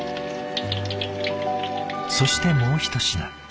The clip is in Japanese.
そしてもうひと品。